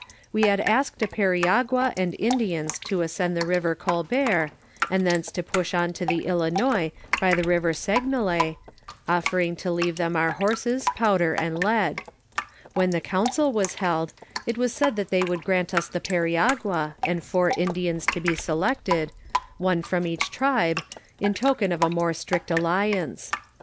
"We had asked a periagua and Indians to ascend the river Colbert, and thence to push on to the Ilinois by the river Seignelay, offering to leave them our horses, powder, and lead ; when the council was held, it was said that they would grant us the periagua, and four In dians to be selected, one from each tribe, in token of a more strict alliance.